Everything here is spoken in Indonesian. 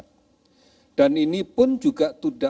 tapi untuk kita